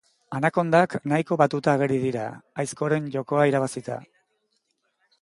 Anakondak nahiko batuta ageri dira, aizkoren jokoa irabazita.